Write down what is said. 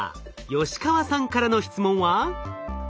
吉川さんからの質問は？